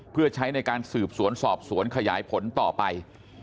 เพื่อใช้ในการสืบสวนสอบสวนขยายผลต่อไป